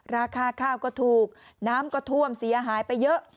ราคาข้าวก็ถูกน้ำก็ท่วมเสียหายไปเยอะ